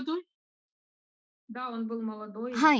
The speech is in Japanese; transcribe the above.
はい。